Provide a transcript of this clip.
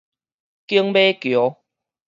景美橋